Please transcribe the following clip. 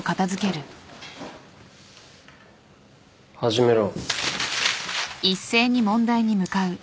始めろ。